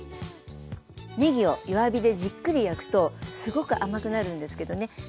ねぎを弱火でじっくり焼くとすごく甘くなるんですけどね